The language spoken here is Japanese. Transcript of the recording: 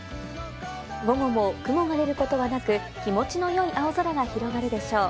午後も雲が出ることはなく気持ちの良い青空が広がるでしょう。